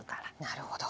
なるほど。